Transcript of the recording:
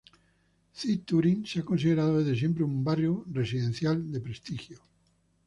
Cit Turin se ha considerado desde siempre un barrio residencial de prestigio.